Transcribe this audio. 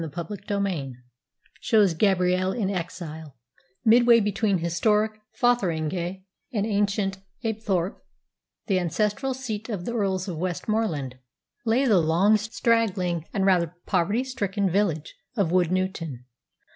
CHAPTER XXV SHOWS GABRIELLE IN EXILE Midway between historic Fotheringhay and ancient Apethorpe, the ancestral seat of the Earls of Westmorland, lay the long, straggling, and rather poverty stricken village of Woodnewton.